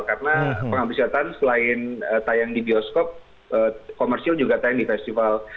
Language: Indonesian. karena pengabdi setan selain tayang di bioskop komersil juga tayang di festival